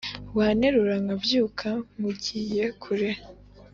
Wanterura nkabyuka nkugiye kure